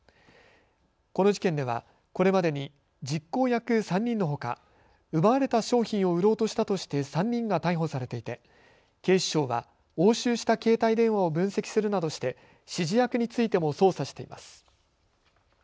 この事件ではこれまでに実行役３人のほか奪われた商品を売ろうとしたとして３人が逮捕されていて警視庁は押収した携帯電話を分析するなどして指示役についても捜査しています。